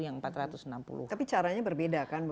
yang empat ratus enam puluh tapi caranya berbeda kan